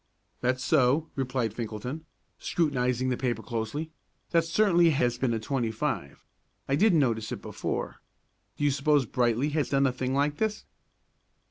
"That's so," replied Finkelton, scrutinizing the paper closely. "That certainly has been a 25. I didn't notice it before. Do you suppose Brightly has done a thing like this?"